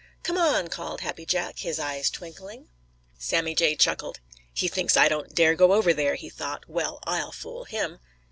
"Come on!" called Happy Jack, his eyes twinkling. Sammy Jay chuckled. "He thinks I don't dare go over there," he thought. "Well, I'll fool him."